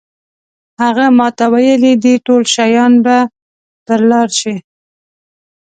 هغه ماته ویلي دي ټول شیان به پر لار شي.